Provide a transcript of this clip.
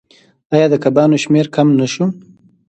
آیا د کبانو شمیر کم نشو؟